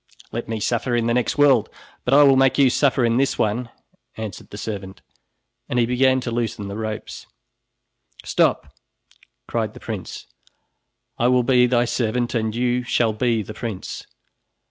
"Let me suffer in the next world, but I will make you suffer in this one," answered the servant and he began to loosen the ropes. "Stop!" cried the prince, "I will be thy servant and you shall be the prince.